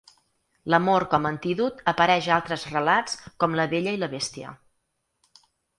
L'amor com a antídot apareix a altres relats com La bella i la bèstia.